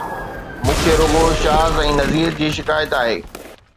مون کي رڳو شاز ۽ نذير جي شڪايت آهي